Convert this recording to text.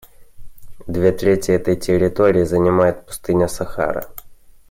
Две трети этой территории занимает пустыня Сахара.